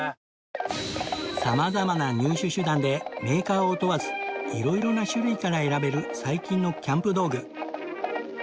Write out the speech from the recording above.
様々な入手手段でメーカーを問わず色々な種類から選べる最近のキャンプ道具